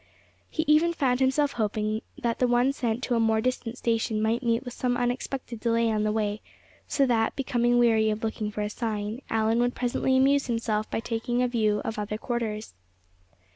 He even found himself hoping that the one sent to a more distant station might meet with some unexpected delay on the way; so that, becoming weary of looking for a sign, Allan would presently amuse himself by taking a view of other quarters.